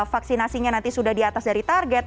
vaksinasinya nanti sudah di atas dari target